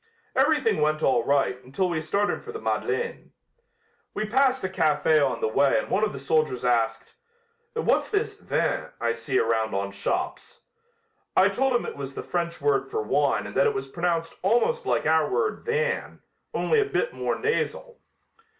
Everything went all right until we started for the Madeleine. We passed a café on the way and one of the soldiers asked: 'What's this "vin" I see around on shops?' I told him that it was the French word for wine and that it was pronounced almost like our word 'van' only a little bit more nasal.